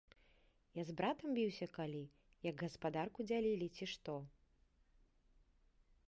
Я з братам біўся калі, як гаспадарку дзялілі, ці што?